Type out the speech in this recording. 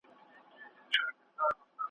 سندریز شعرونه هم ولیکل `